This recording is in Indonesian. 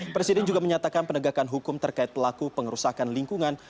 presiden juga menyatakan penegakan hukum terkait pelaku pengerusakan lingkungan